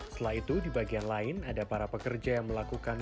setelah itu di bagian lain ada para pekerja yang melakukan